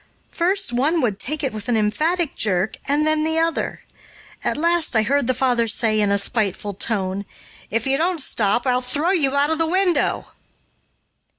First one would take it with an emphatic jerk, and then the other. At last I heard the father say in a spiteful tone, "If you don't stop I'll throw you out of the window."